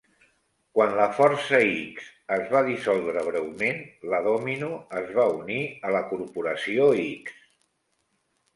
Quan la Força-X es va dissoldre breument, la Domino es va unir a la Corporació-X.